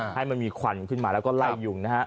ให้มันมีควันขึ้นมาแล้วก็ไล่ยุงนะฮะ